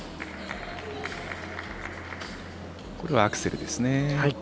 これはアクセルですね。